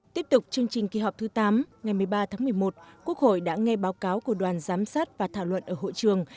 tiếp tục chương trình kỳ họp thứ tám ngày một mươi ba tháng một mươi một quốc hội đã nghe báo cáo của đoàn giám sát và thảo luận ở hội trường